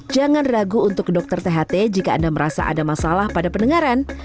jangan ragu untuk ke dokter tht jika anda merasa ada masalah pada pendengaran